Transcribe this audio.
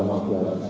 bukan hanya pp